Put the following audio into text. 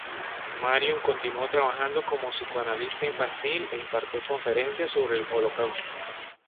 Marion continuó trabajando como psicoanalista infantil e impartió conferencias sobre el holocausto.